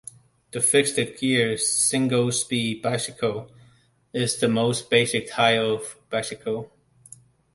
The fixed-gear single-speed bicycle is the most basic type of bicycle.